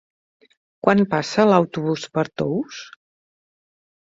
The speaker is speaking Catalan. Quan passa l'autobús per Tous?